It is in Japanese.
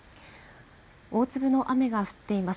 大粒の雨が降っています。